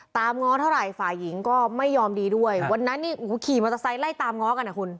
ง้อเท่าไหร่ฝ่ายหญิงก็ไม่ยอมดีด้วยวันนั้นนี่โอ้โหขี่มอเตอร์ไซค์ไล่ตามง้อกันอ่ะคุณ